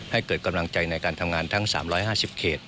ให้เกิดกำลังใจในการทำงานทั้ง๓๕๐เขต